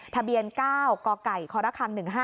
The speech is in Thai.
ทะเบียน๙กกคค๑๕๐๒